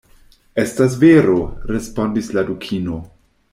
"Estas vero," respondis la Dukino.